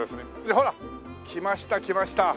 ほら来ました来ました。